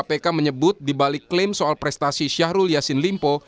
kpk menyebut dibalik klaim soal prestasi syahrul yassin limpo